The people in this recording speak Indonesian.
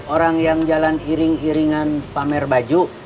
orang yang jalan iring iringan pamer baju